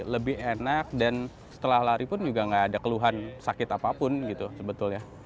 lebih enak dan setelah lari pun juga gak ada keluhan sakit apapun gitu sebetulnya